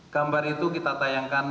gambar itu kita tayangkan